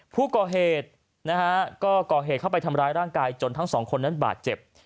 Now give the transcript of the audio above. ผู้ก่อเหตุนะฮะก็ก่อเหตุเข้าไปทำร้ายร่างกายจนทั้งสองคนนั้นบาดเจ็บ